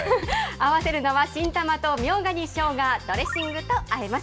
合わせるのは新玉とみょうがにしょうが、ドレッシングとあえます。